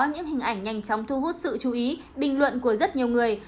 những hình ảnh nhanh chóng thu hút sự chú ý bình luận của rất nhiều người